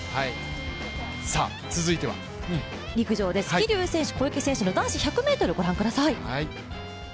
続いては陸上です桐生選手、小池選手の男子１００ｍ、ご覧ください。